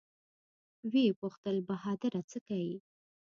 ويې پوښتل بهادره سه کې.